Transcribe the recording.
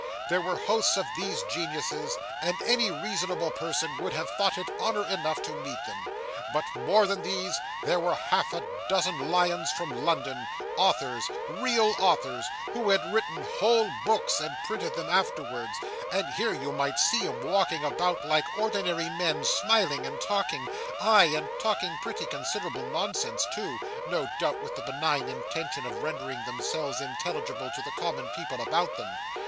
There were hosts of these geniuses, and any reasonable person would have thought it honour enough to meet them. But more than these, there were half a dozen lions from London authors, real authors, who had written whole books, and printed them afterwards and here you might see 'em, walking about, like ordinary men, smiling, and talking aye, and talking pretty considerable nonsense too, no doubt with the benign intention of rendering themselves intelligible to the common people about them.